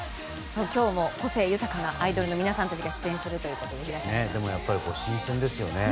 今日も個性豊かなアイドルの皆さんたちが出演するということで新鮮ですよね。